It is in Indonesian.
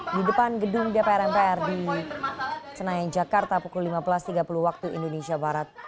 di depan gedung dpr mpr di senayan jakarta pukul lima belas tiga puluh waktu indonesia barat